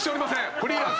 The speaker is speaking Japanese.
フリーランス。